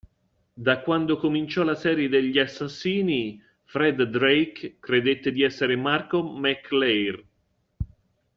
Da quando cominciò la serie degli assassinii, Fred Drake credette di essere Marco Mac Lare.